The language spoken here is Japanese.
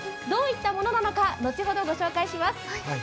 どういったものなのか、後ほどご紹介します。